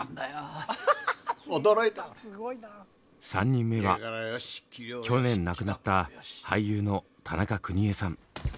３人目は去年亡くなった俳優の田中邦衛さん。